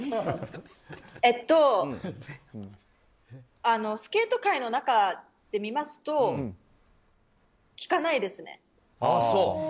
えっとスケート界の中で見ますと聞かないですね。